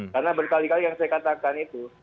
karena berkali kali yang saya katakan itu